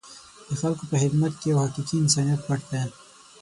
د خلکو په خدمت کې یو حقیقي انسانیت پټ دی.